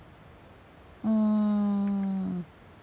うん。